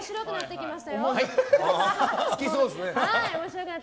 好きそうですね。